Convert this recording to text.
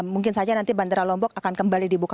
mungkin saja nanti bandara lombok akan kembali dibuka